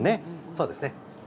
そうですね。